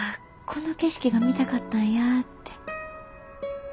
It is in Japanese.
この景色が見たかったんやって。